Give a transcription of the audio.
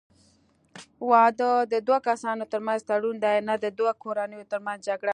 واده د دوه کسانو ترمنځ تړون دی، نه د دوو کورنیو ترمنځ جګړه.